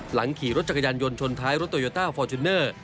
หลังขี่รถจักรยานยนต์ชนท้ายรถโตโยต้าฟอร์จูเนอร์